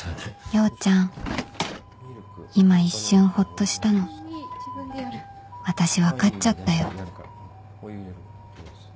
陽ちゃん今一瞬ほっとしたの私分かっちゃったよ